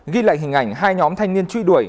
ghi lại hình ảnh hai nhóm thanh niên truy đuổi